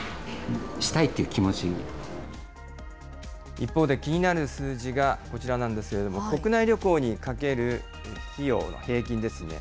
一方で、気になる数字がこちらなんですけれども、国内旅行にかける費用の平均ですね。